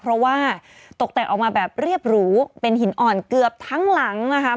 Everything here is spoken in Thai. เพราะว่าตกแต่งออกมาแบบเรียบหรูเป็นหินอ่อนเกือบทั้งหลังนะคะ